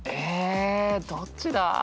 どっちだ？